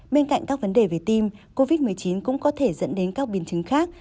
bên cạnh các vấn đề về tim covid một mươi chín cũng có thể dẫn đến các biến chứng khác